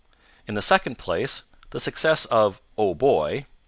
In the second place, the success of _Oh, Boy!